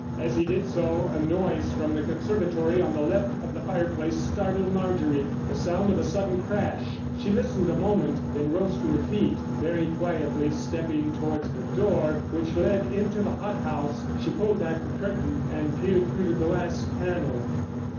As he did so a noise from the conservatory on the left of the fireplace startled Marjorie. The sound of a sudden crash. She listened a moment, then rose to her feet. Very quietly stepping towards the door which led into the hot house, she pulled back the curtain and peered through the glass panel.